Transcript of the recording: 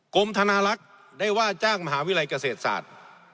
กรมธนารักษ์ได้ว่าจ้างมหาวิทยาลัยเกษตรศาสตร์